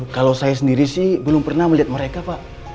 kalau saya sendiri sih belum pernah melihat mereka pak